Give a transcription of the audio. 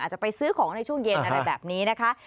จะไปซื้อของในช่วงเย็นอะไรแบบนี้นะคะ